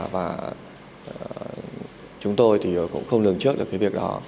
và chúng tôi thì cũng không lường trước được